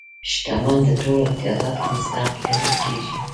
شتمن د ټولو امتیازاتو مستحق ګڼل کېږي.